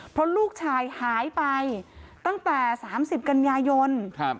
เพราะลูกชายหายไปตั้งแต่๓๐กันยายน